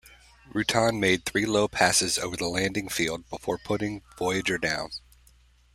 Rutan made three low passes over the landing field before putting Voyager down.